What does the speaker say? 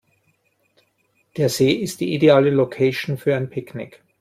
Der See ist die ideale Location für ein Picknick.